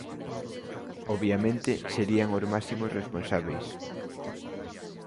Obviamente, serían os máximos responsábeis.